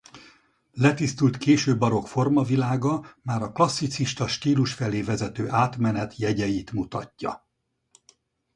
Letisztult késő barokk formavilága már a klasszicista stílus felé vezető átmenet jegyeit mutatja.